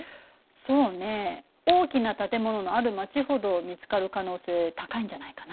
そうね大きな建物のある街ほど見つかる可能性高いんじゃないかな。